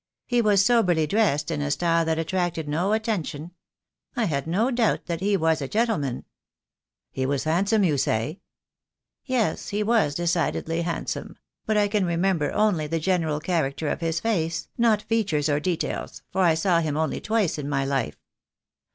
He was soberly dressed in a style that attracted no attention. I had no doubt that he was a gentleman." "He was handsome, you say?" "Yes, he was decidedly handsome — but I can re member only the general character of his face, not features or details, for I saw him only twice in my life."